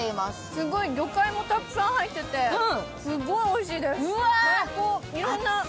すっごい魚介もたくさん入ってて、すっごいおいしいです、最高。